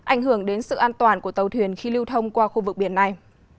ảnh hưởng đến sự an toàn của tàu thuyền khi lưu thông qua khu vực biển này